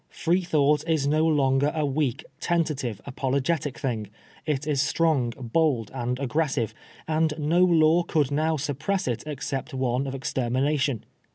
Freethonght is no longer a weak, tentative, apologetic thing ; it is strong, bold, and aggressive ; and no law could now suppress it except one of extermination.